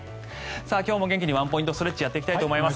今日も元気にワンポイントストレッチをやっていきたいと思います。